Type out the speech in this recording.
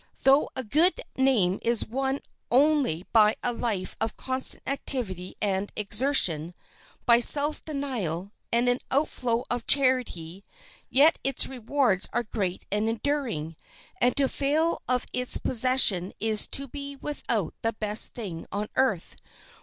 Though a good name is won only by a life of constant activity and exertion, by self denial, and an outflow of charity, yet its rewards are great and enduring, and to fail of its possession is to be without the best thing on earth.